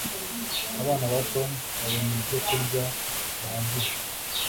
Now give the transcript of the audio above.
abana ba tom babona ibyo kurya bihagije